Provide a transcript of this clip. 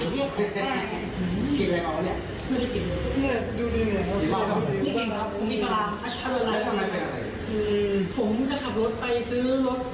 ไม่เม้าผมไม่เห็น